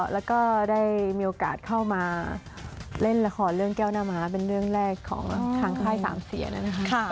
แล้วก็ได้มีโอกาสเข้ามาเล่นละครเรื่องแก้วหน้าม้าเป็นเรื่องแรกของทางค่ายสามเสียนะคะ